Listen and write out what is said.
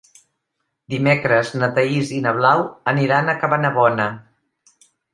Dimecres na Thaís i na Blau aniran a Cabanabona.